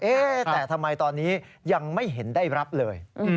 แต่ทำไมตอนนี้ยังไม่เห็นได้รับเลย